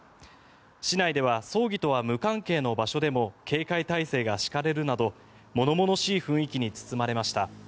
市内では葬儀とは無関係の場所でも警戒態勢が敷かれるなど物々しい雰囲気に包まれました。